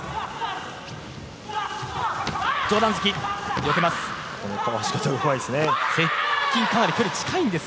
上段突き、よけます。